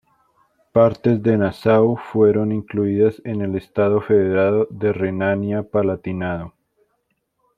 Partes de Nassau fueron incluidas en el estado federado de Renania Palatinado.